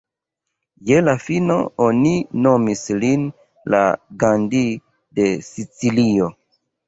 Je la fino, oni nomis lin la "Gandhi de Sicilio".